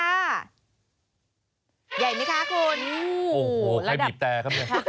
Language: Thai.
ใหญ่ไหมคะคุณโอ้โหใครบีบแต่ครับเนี่ย